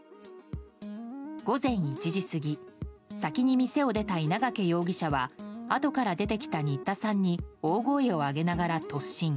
午前１時過ぎ先に店を出た稲掛容疑者はあとから出てきた新田さんに大声を上げながら突進。